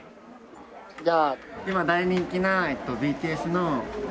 じゃあ今大人気なＢＴＳのテテ。